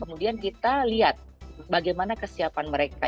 kemudian kita lihat bagaimana kesiapan mereka